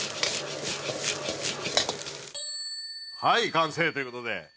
はい完成という事で。